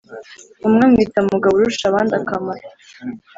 umwe amwita mugaburushabandakamaro.